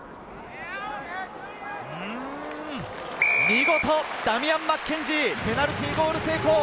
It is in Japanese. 見事、ダミアン・マッケンジー、ペナルティーゴール成功。